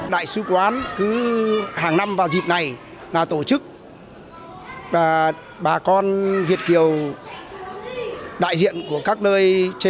đại sứ quán cứ hàng năm vào dịp này là tổ chức và bà con việt kiều đại diện của các nơi trên